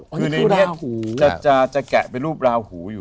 คือในหูจะแกะเป็นรูปราหูอยู่